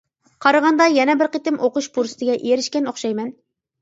قارىغاندا يەنە بىر قېتىم ئوقۇش پۇرسىتىگە ئېرىشكەن ئوخشايمەن.